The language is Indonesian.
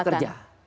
untuk kelas pekerja